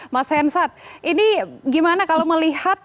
mas hensat ini gimana kalau melihat